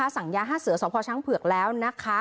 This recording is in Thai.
สัญญาห้าเสือสชเผือกแล้วนะคะ